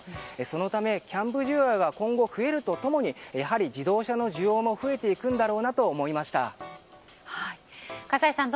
そのためキャンプ需要が今後増えると共にやはり自動車の需要も増えていくんだろうなと葛西さん